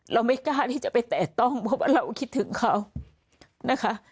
เราไม่กล้าที่จะไปแตะต้องเพราะว่าเราคิดถึงเขานะคะ